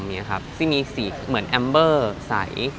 ซึ่งมีสีเหมือนแอมเบอร์ใส